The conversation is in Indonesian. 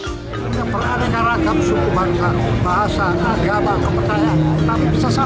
tidak peran dengan ragam suku bangsa bahasa agama kepercayaan